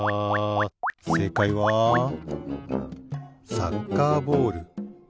せいかいはサッカーボール。